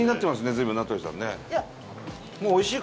随分名取さんね。